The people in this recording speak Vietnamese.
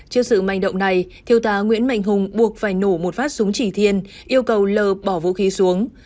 trước sự manh động này thiêu tá nguyễn mạnh hùng buộc phải nổ một phát súng chỉ thiên yêu cầu l bỏ vũ khí xuống